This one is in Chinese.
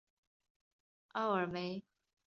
奥尔梅。